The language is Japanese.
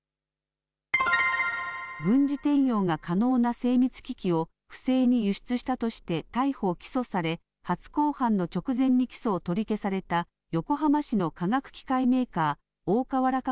軍事転用が可能な精密機器を不正に輸出したとして、逮捕・起訴され、初公判の直前に起訴を取り消された横浜市の化学機械メーカー、大川原化